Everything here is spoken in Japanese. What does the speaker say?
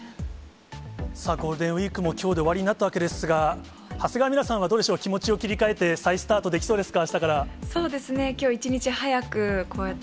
ゴールデンウィークもきょうで終わりになったわけですが、長谷川ミラさんはどうでしょう、気持ちを切り替えて、再スタートできそうですか。